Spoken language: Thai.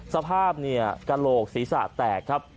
สภาพเนี่ยกระโหลกศีรษะแตกครับ